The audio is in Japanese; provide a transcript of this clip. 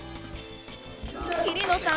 桐野さん